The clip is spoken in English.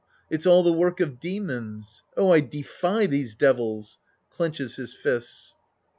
It's all the work of demons. Oh, I defy these devils ! {Clenches his fists.)